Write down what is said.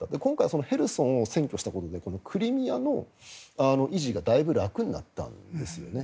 今回はヘルソンを占拠したことでクリミアの維持がだいぶ楽になったんですね。